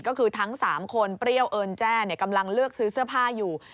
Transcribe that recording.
ก็คือทั้ง๓คนเปรี้ยวเอิญแจ้กำลังเลือกซื้อเสื้อผ้าอยู่